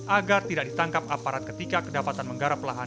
agar tidak ditangkap aparat ketika kedapatan menggaraplahan